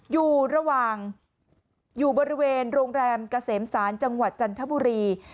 อยู่ระหว่างอยู่บริเวณโรงแรมเกษมศาลจังหวัดจันทบุรี